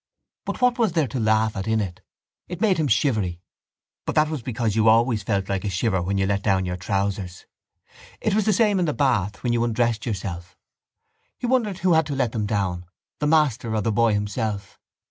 But what was there to laugh at in it? It made him shivery: but that was because you always felt like a shiver when you let down your trousers. It was the same in the bath when you undressed yourself. He wondered who had to let them down, the master or the boy himself.